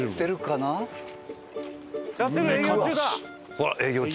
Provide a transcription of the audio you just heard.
ほら営業中。